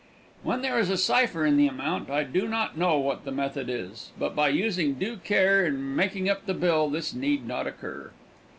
When there is a cipher in the amount I do not know what the method is, but by using due care in making up the bill this need not occur.